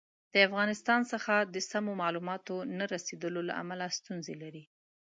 د افغانستان څخه د سمو معلوماتو نه رسېدلو له امله ستونزې لري.